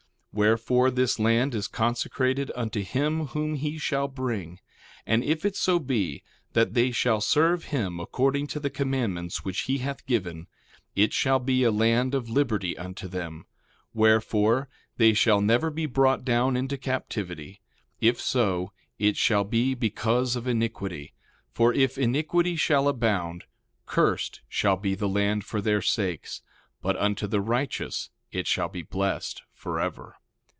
1:7 Wherefore, this land is consecrated unto him whom he shall bring. And if it so be that they shall serve him according to the commandments which he hath given, it shall be a land of liberty unto them; wherefore, they shall never be brought down into captivity; if so, it shall be because of iniquity; for if iniquity shall abound cursed shall be the land for their sakes, but unto the righteous it shall be blessed forever.